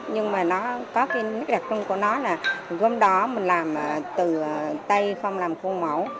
nhưng mà nó có cái đặc trưng của nó là gốm đó mình làm từ tay không làm khô mẫu